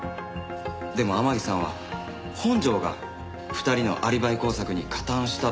でも天樹さんは本条が２人のアリバイ工作に加担したとにらんだんです。